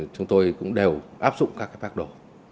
chúng tôi cũng đều áp dụng các phác đồ